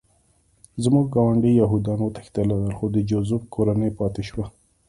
زموږ ګاونډي یهودان وتښتېدل خو د جوزف کورنۍ پاتې شوه